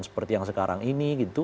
seperti yang sekarang ini